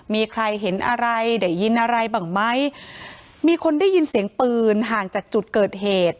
มีใครเห็นอะไรได้ยินอะไรบ้างไหมมีคนได้ยินเสียงปืนห่างจากจุดเกิดเหตุ